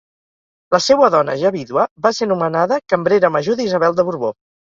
La seua dona, ja vídua, va ser nomenada cambrera major d'Isabel de Borbó.